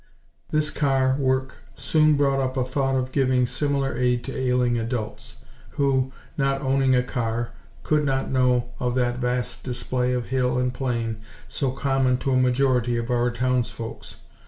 This car work soon brought up a thought of giving similar aid to ailing adults; who, not owning a car, could not know of that vast display of hill and plain so common to a majority of our townsfolks.